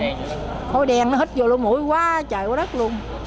nói đen nó hít vô luôn mũi quá trời quá đất luôn